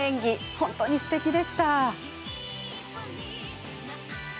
本当にすてきでした。